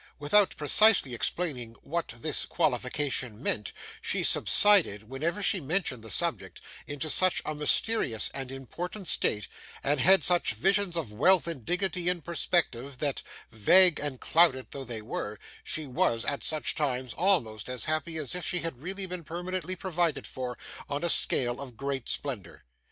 Without precisely explaining what this qualification meant, she subsided, whenever she mentioned the subject, into such a mysterious and important state, and had such visions of wealth and dignity in perspective, that (vague and clouded though they were) she was, at such times, almost as happy as if she had really been permanently provided for, on a scale of great splendour.